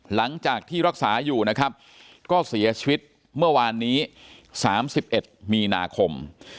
หลังจากที่รักษาอยู่นะครับก็เสียชีวิตเมื่อวานนี้๓๑มีนาคม